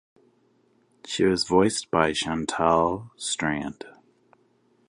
She was voiced by Chantal Strand.